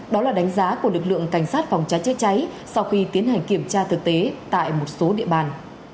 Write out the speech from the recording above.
đó là đánh giá của lực lượng cảnh sát phòng cháy chữa cháy sau khi tiến hành kiểm tra thực tế tại một số địa bàn